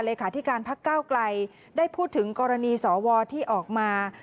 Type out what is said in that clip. เลขาธิการพักก้าวไกลได้พูดถึงกรณีสวที่ออกมา